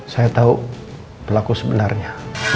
saya tahu pelaku sebenarnya